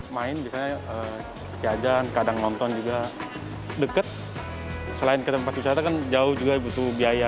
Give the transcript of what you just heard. main biasanya kiajan kadang nonton juga deket selain ke tempat wisata kan jauh juga butuh biaya